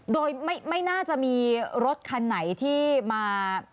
โดยไม่น่าจะมีรถคันไหนที่มา